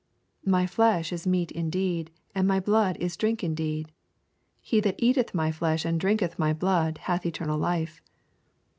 —" My flesh is meat indeed, and my blood is drink indeed." —" He that eateth my flesh and drinketh my blood, hath eternal life."